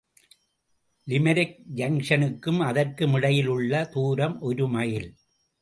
Limerick ஜங்ஷனுக்கும் அதற்கும் இடையில் உள்ள தூரம் ஒரு மைல்.